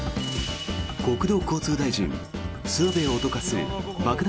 国土交通大臣、諏訪部を脅かす爆弾